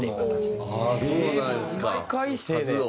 そうなんですか数を。